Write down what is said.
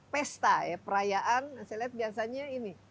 pesta ya perayaan saya lihat biasanya ini